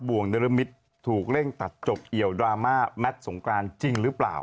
วงนรมิตรถูกเร่งตัดจบเอี่ยวดราม่าแมทสงกรานจริงหรือเปล่า